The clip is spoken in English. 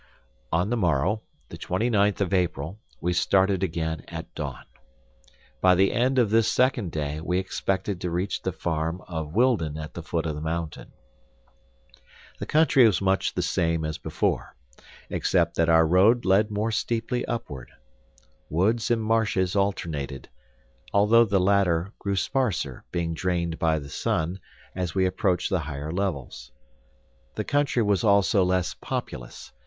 On the morrow, the twenty ninth of April, we started again at dawn. By the end of this second day, we expected to reach the farm of Wildon at the foot of the mountain. The country was much the same as before, except that our road led more steeply upward. Woods and marshes alternated, though the latter grew sparser, being drained by the sun as we approached the higher levels. The country was also less populous.